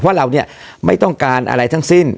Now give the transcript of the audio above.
เพราะเราเนี่ยไม่ต้องการอะไรทั้งสิ้น